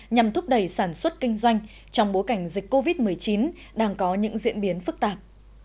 nhằm thúc đẩy sản xuất kinh doanh trong bối cảnh dịch covid một mươi chín đang có những diễn biến phức tạp